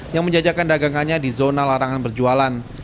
yang menjajakan dagangannya di zona larangan berjualan